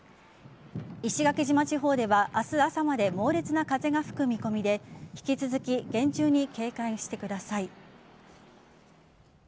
石垣島地方では明日朝まで猛烈な風が吹く見込みで引き続き厳重に警戒してください。